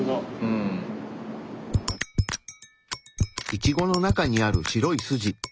イチゴの中にある白い筋。